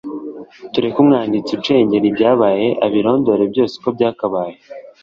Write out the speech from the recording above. tureke umwanditsi ucengera ibyabaye abirondore byose uko byakabaye